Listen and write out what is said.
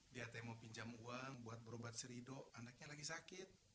dia mau pinjam uang buat berobat serido anaknya lagi sakit